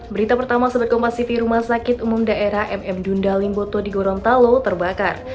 berita pertama seberkompasiti rumah sakit umum daerah mm dunda limboto di gorontalo terbakar